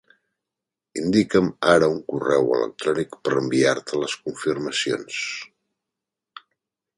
Indica'm ara un correu electrònic per enviar-te les confirmacions.